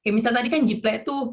misalnya tadi kan jiplek itu